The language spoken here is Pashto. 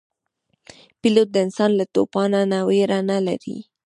پیلوټ د آسمان له توپانه نه ویره نه لري.